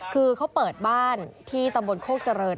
คือเขาเปิดบ้านที่ตำบลโคกเจริญ